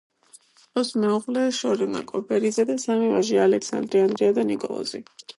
ჰყავს მეუღლე შორენა კობერიძე და სამი ვაჟი, ალექსანდრე, ანდრია და ნიკოლოზი.